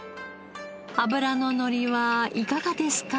脂ののりはいかがですか？